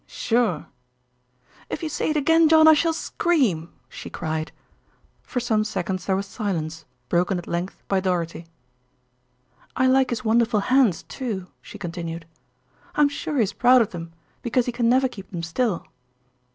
"Sure!" "If you say it again, John, I shall scream," she cried. For some seconds there was silence, broken at length by Dorothy. "I like his wonderful hands, too," she continued. "I'm sure he's proud of them, because he can never keep them still.